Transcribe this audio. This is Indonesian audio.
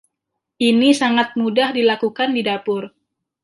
Ini sangat mudah dilakukan di dapur.